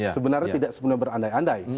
sebenarnya tidak sepenuhnya berandai andai